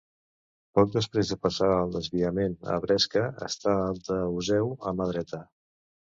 Poc després de passar el desviament a Bresca està el d'Useu, a mà dreta.